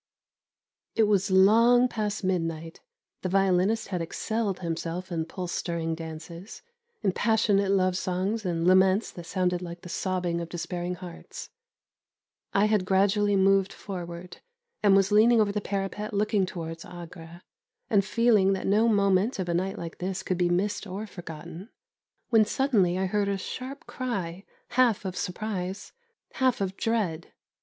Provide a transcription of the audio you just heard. It was long past midnight; the violinist had excelled himself in pulse stirring dances, in passionate love songs and laments that sounded like the sobbing of despairing hearts. I had gradually moved forward, and was leaning over the parapet looking towards Agra, and feeling that no moment of a night like this could be missed or forgotten, when suddenly I heard a sharp cry, half of surprise, half of dread.